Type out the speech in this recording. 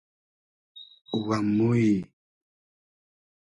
و موی